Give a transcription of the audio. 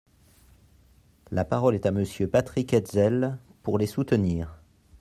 La parole est à Monsieur Patrick Hetzel, pour les soutenir.